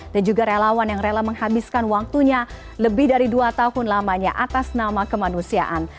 dan juga relawan yang rela menghabiskan waktunya lebih dari dua tahun lamanya atas nama kemanusiaan